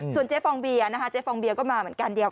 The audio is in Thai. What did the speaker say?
ส่วนเจ๊ฟองเบียร์นะคะเจ๊ฟองเบียร์ก็มาเหมือนกันเดียว